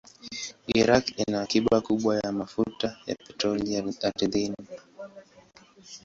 Iraq ina akiba kubwa za mafuta ya petroli ardhini.